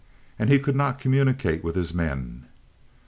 And he could not communicate with his men!